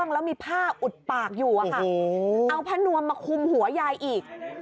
เอาพระนวมมาคุมหัวยายอีก